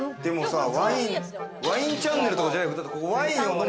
ワインチャンネルとかじゃないの？